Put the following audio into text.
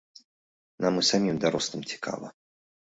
Нам і самім, дарослым, цікава.